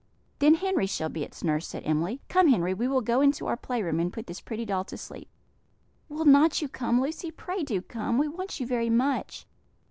"Then Henry shall be its nurse," said Emily. "Come, Henry, we will go into our play room, and put this pretty doll to sleep. Will not you come, Lucy? Pray do come; we want you very much."